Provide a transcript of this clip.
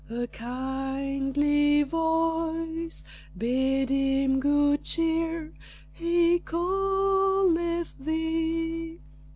A kindly voice Bade him good cheer "He calleth thee."